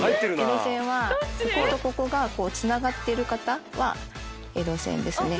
こことここがつながってる方はエロ線ですね。